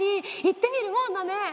言ってみるもんだね。